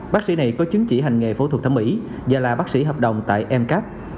bác sĩ này có chứng chỉ hành nghề phẫu thuật thẩm mỹ và là bác sĩ hợp đồng tại mcap